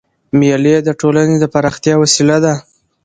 مېلې د ټولني د اړیکو د پراختیا وسیله ده.